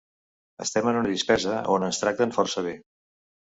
Estem en una dispesa on ens tracten força bé.